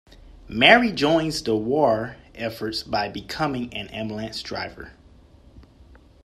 Mary joins the war effort by becoming an ambulance driver.